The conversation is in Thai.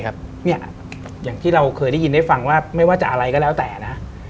อย่างที่เราเคยได้ยินได้ฟังว่าไม่ว่าจะอะไรก็แล้วแต่นะ